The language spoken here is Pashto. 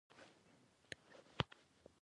تیروتنې ستا د محنتونو او کوښښونو ثبوتونه دي.